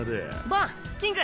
バンキング